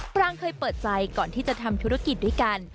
ปรางเคยเปิดใจก่อนที่จะทำธุรกิจด้วยกัน